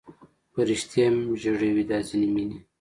فرشتې هم ژړوي دا ځینې مینې